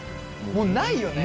もうないよね。